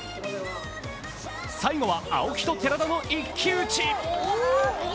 最後は青木と寺田の一騎打ち。